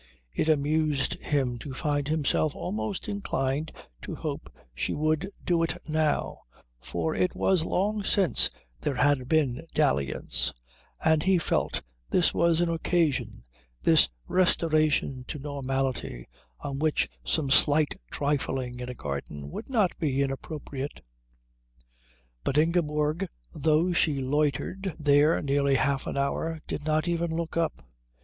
It amused him to find himself almost inclined to hope she would do it now, for it was long since there had been dalliance and he felt this was an occasion, this restoration to normality, on which some slight trifling in a garden would not be inappropriate. But Ingeborg, though she loitered there nearly half an hour, did not even look up.